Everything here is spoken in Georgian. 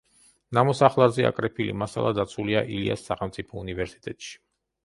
ნამოსახლარზე აკრეფილი მასალა დაცულია ილიას სახელმწიფო უნივერსიტეტში.